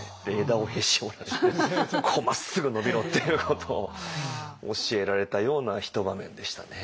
枝をへし折られてまっすぐ伸びろっていうことを教えられたような一場面でしたね。